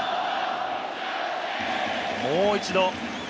もう一度。